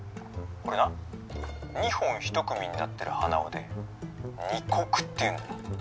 これな２本１組になってる鼻緒で二石っていうんだよ。